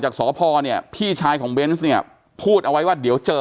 จากสพเนี่ยพี่ชายของเบนส์เนี่ยพูดเอาไว้ว่าเดี๋ยวเจอ